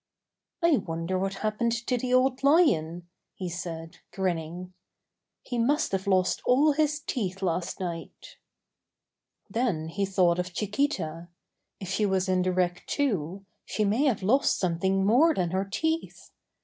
^'I wonder what happened to the Old Lion," he said, grinning. ''He must have lost all his teeth last night." Then he thought of Chiquita. If she was in the wreck, too, she may have lost something more than her teeth.